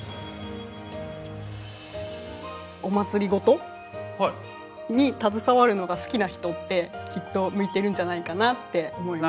お祭りごとに携わるのが好きな人ってきっと向いてるんじゃないかなって思います。